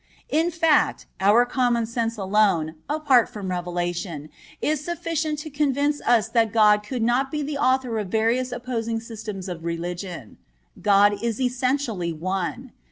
In fact, our common sense alone, apart from revelation, is sufficient to convince us that God could not be the author of various opposing systems of religion. God is essentially one.